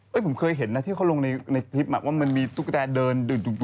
เฮ้ยผมเคยเห็นนะที่เขาลงในคลิปแบบว่ามันมีตุกแก่เดิน